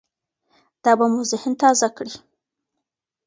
دا به مو ذهن تازه کړي.